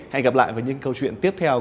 hẹn gặp lại với những câu chuyện tiếp theo